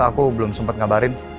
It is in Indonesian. aku belum sempet ngabarin